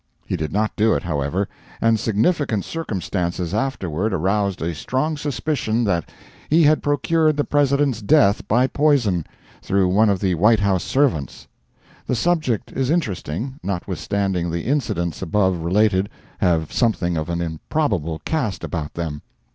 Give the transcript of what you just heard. He did not do it, however, and significant circumstances afterward aroused a strong suspicion that he had procured the President's death by poison, through one of the White House servants. The subject is interesting, notwithstanding the incidents above related have something of an improbable cast about them.